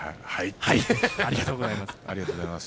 ありがとうございます。